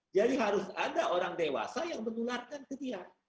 jadi harus ada orang dewasa yang menularkan ke dia